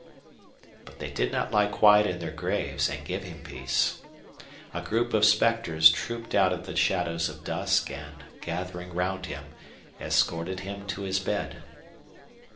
But they did not lie quiet in their graves and give him peace. A group of specters trooped out of the shadows of dusk and, gathering round him, escorted him to his bed.